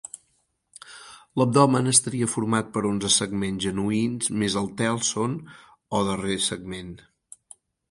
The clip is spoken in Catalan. L'abdomen estaria format per onze segments genuïns més el tèlson o darrer segment.